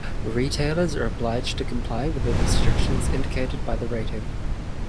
Retailers are obliged to comply with the restrictions indicated by the rating.